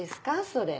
それ。